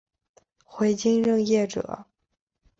回京任谒者。